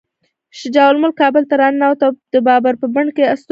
شجاع الملک کابل ته راننوت او د بابر په بڼ کې استوګن شو.